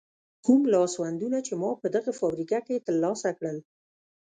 کوم لاسوندونه چې ما په دغه فابریکه کې تر لاسه کړل.